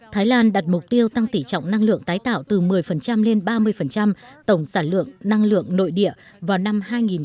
thái lan đặt mục tiêu tăng tỉ trọng năng lượng tái tạo từ một mươi lên ba mươi tổng sản lượng năng lượng nội địa vào năm hai nghìn ba mươi